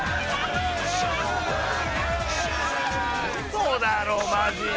嘘だろマジで。